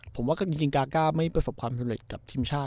ผมว่าจริงกาก้าไม่ประสบความสำเร็จกับทีมชาติ